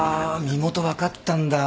身元分かったんだ。